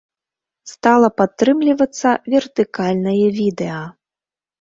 Стала падтрымлівацца вертыкальнае відэа.